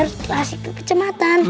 harus dikasih ke kecematan